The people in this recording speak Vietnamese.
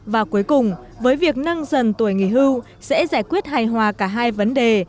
và cuối cùng với việc nâng dần tuổi nghỉ hưu sẽ giải quyết hài hòa cả hai vấn đề